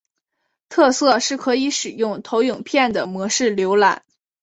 特色是可以使用投影片的模式浏览。